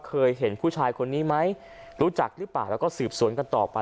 เคยเห็นผู้ชายคนนี้ไหมรู้จักหรือเปล่าแล้วก็สืบสวนกันต่อไป